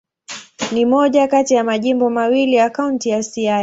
Ni moja kati ya majimbo mawili ya Kaunti ya Siaya.